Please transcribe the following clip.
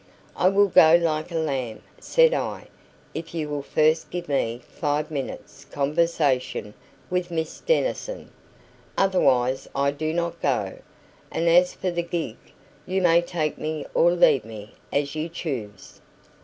"I will go like a lamb," said I, "if you will first give me five minutes' conversation with Miss Denison. Otherwise I do not go; and as for the gig, you may take me or leave me, as you choose."